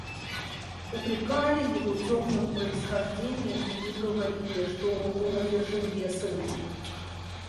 Упрекали его темным происхождением и говорили, что он одержим бесами.